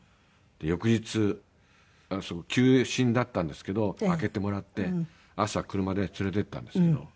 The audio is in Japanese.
翌日休診だったんですけど開けてもらって朝車で連れていったんですけど。